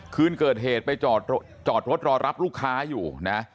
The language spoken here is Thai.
คืนเกิดเหตุไปจอดรถรอรับลูกค้าอยู่นะ